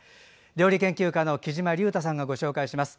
料理研究家のきじまりゅうたさんがご紹介します。